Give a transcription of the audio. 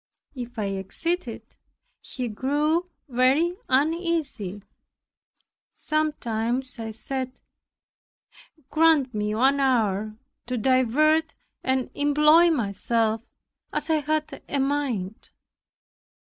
If I exceeded, he grew very uneasy. Sometimes I said, "Grant me one hour to divert and employ myself as I have a mind."